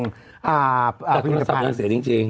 แต่โทรศัพท์นางเสียจริง